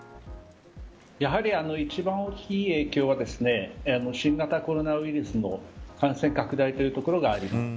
やはり一番大きい影響は新型コロナウイルスの感染拡大というところがあります。